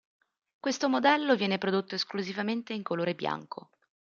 Questo modello viene prodotto esclusivamente in colore bianco.